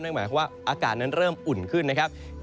หมายความว่าอากาศนั้นเริ่มอุ่นขึ้นนะครับ